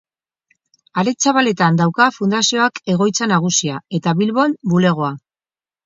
Aretxabaletan dauka fundazioak egoitza nagusia, eta Bilbon bulegoa.